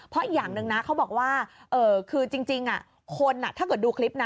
เพราะอีกอย่างหนึ่งนะเขาบอกว่าคือจริงคนถ้าเกิดดูคลิปนะ